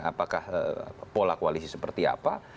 apakah pola koalisi seperti apa